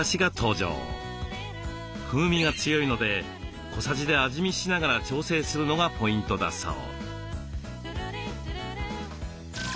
風味が強いので小さじで味見しながら調整するのがポイントだそう。